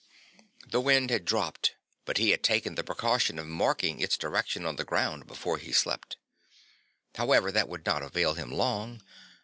The wind had dropped but he had taken the precaution of marking its direction on the ground before he slept. However, that would not avail him long.